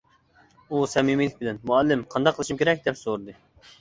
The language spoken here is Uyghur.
ئۇ سەمىمىيلىك بىلەن:-مۇئەللىم، قانداق قىلىشىم كېرەك؟ -دەپ سورىدى.